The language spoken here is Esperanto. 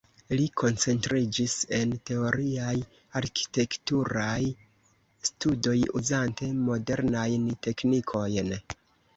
Li koncentriĝis en teoriaj arkitekturaj studoj uzante modernajn teknikojn.